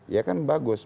ya kan bagus